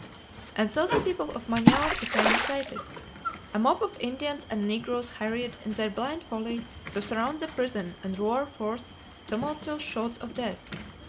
And so the people of Manaos became excited. A mob of Indians and negroes hurried, in their blind folly, to surround the prison and roar forth tumultuous shouts of death.